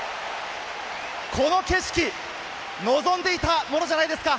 この景色、望んでいたものじゃないですか？